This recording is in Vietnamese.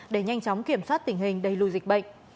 để nhanh chóng kiểm soát tình hình đầy lùi dịch bệnh